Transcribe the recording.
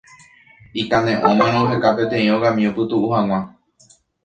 Ikane'õmarõ oheka peteĩ ogami opytu'u hag̃ua.